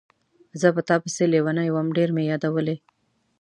زه په تا پسې لیونی وم، ډېر مې یادولې.